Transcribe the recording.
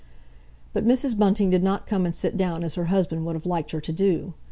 But Mrs. Bunting did not come and sit down as her husband would have liked her to do.